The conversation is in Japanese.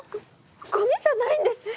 ゴゴミじゃないんです！